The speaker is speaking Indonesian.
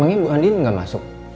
emangnya bu andin gak masuk